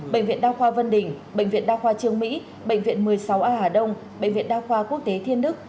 bệnh viện đa khoa vân đình bệnh viện đa khoa trương mỹ bệnh viện một mươi sáu a hà đông bệnh viện đa khoa quốc tế thiên đức